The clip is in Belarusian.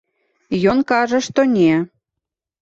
Ён кажа, што не.